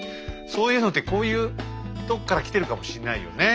そういうのってこういうとこからきてるかもしんないよね。